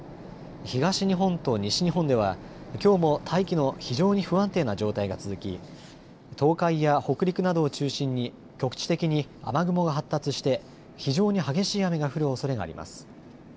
東日本と西日本ではきょうも大気の非常に不安定な状態が続き東海や北陸などを中心に局地的に雨雲が発達して非常に激しい雨が降るおそれがあります。